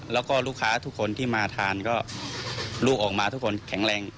แล้วก็ลูกค้าทุกคนที่มาทานก็ลูกออกมาทุกคนแข็งแรง